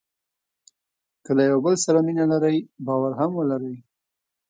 که له یو بل سره مینه لرئ باور هم ولرئ.